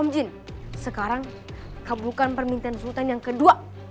om jin sekarang kabulkan permintaan sultan yang kedua